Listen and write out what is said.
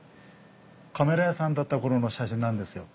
カメラ屋さんだった頃の写真なんですよ。